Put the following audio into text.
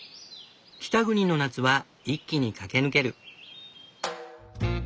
北国の夏は一気に駆け抜ける。